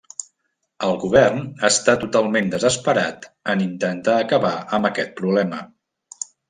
El govern està totalment desesperat en intentar acabar amb aquest problema.